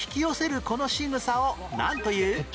このしぐさをなんという？